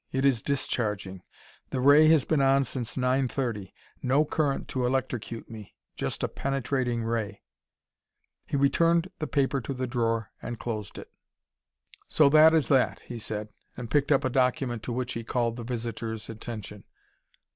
It is discharging. The ray has been on since nine thirty. No current to electrocute me just a penetrating ray." He returned the paper to the drawer and closed it. "So that is that," he said, and picked up a document to which he called the visitor's attention.